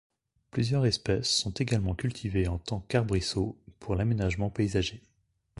Plusieurs espèces sont également cultivées en tant qu'arbrisseaux pour l'aménagement paysager.